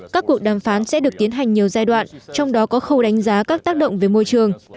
các cuộc đàm phán sẽ được tiến hành nhiều giai đoạn trong đó có khâu đánh giá các tác động về môi trường